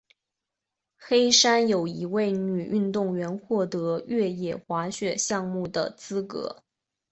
黑山有一名女运动员获得越野滑雪项目的资格。